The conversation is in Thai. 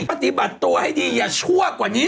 ปฏิบัติตัวให้ดีอย่าชั่วกว่านี้